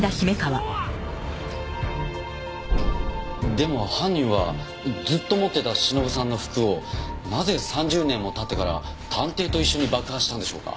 でも犯人はずっと持ってた忍さんの服をなぜ３０年も経ってから探偵と一緒に爆破したんでしょうか。